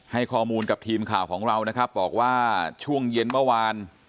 ให้ข้อมูลกับทีมข่าวของเรานะครับบอกว่าช่วงเย็นเมื่อวาน